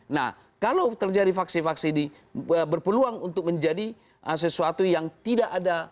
nah kalau terjadi faksi faksi berpeluang untuk menjadi sesuatu yang tidak ada